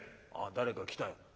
「あっ誰か来たよ」。